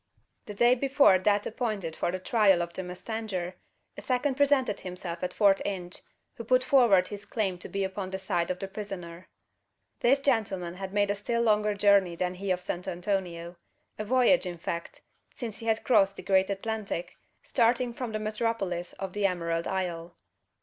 The day before that appointed for the trial of the mustanger, a second presented himself at Fort Inge, who put forward his claim to be upon the side of the prisoner. This gentleman had made a still longer journey than he of San Antonio; a voyage, in fact: since he had crossed the great Atlantic, starting from the metropolis of the Emerald Isle.